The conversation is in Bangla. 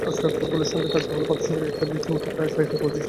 আজকাল ফুটবলের সঙ্গে থাকতে হলে প্রাতিষ্ঠানিক একটা ভিতও তাই থাকা চাই।